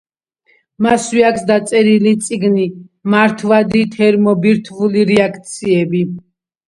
მასვე აქვს დაწერილი წიგნი „მართვადი თერმობირთვული რეაქციები“.